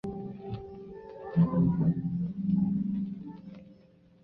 此歌的出现取替了花洒的年度作地位。